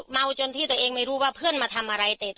เมาจนที่ตัวเองไม่รู้ว่าเพื่อนมาทำอะไร